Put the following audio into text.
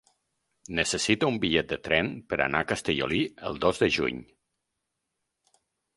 Necessito un bitllet de tren per anar a Castellolí el dos de juny.